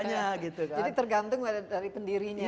jadi tergantung dari pendirinya